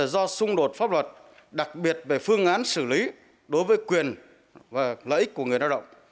do xung đột pháp luật đặc biệt về phương án xử lý đối với quyền và lợi ích của người lao động